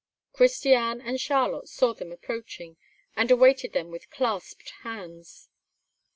Christiane and Charlotte saw them approaching, and awaited them with clasped hands.